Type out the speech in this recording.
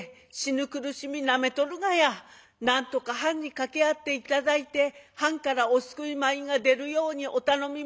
なんとか藩に掛け合って頂いて藩からお救い米が出るようにお頼み申します。